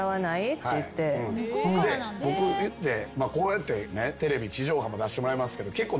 で僕いってこうやってテレビ地上波も出してもらいますけど結構。